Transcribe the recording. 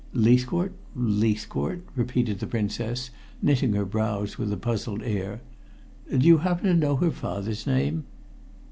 "Leithcourt? Leithcourt?" repeated the Princess, knitting her brows with a puzzled air. "Do you happen to know her father's name?"